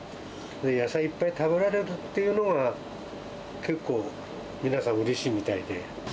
野菜いっぱい食べられるっていうのが、結構、皆さんうれしいみたいで。